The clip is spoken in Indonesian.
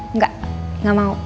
enggak gak mau